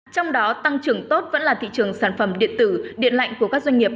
trong đó tăng trưởng tốt vẫn là thị trường sản phẩm điện tử điện lạnh của các doanh nghiệp